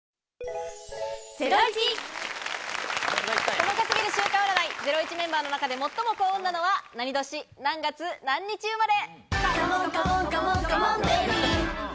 細か過ぎる週間占い『ゼロイチ』メンバーの中で最も幸運なのは何年何月何日生まれ？